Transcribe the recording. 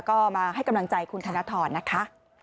ก็มาให้กำลังใจคุณธนทรนะคะ